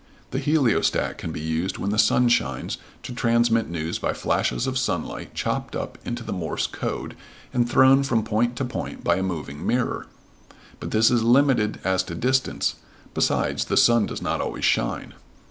The heliostat can be used when the sun shines to transmit news by flashes of sunlight chopped up into the Morse code and thrown from point to point by a moving mirror. But this is limited as to distance; besides, the sun does not always shine.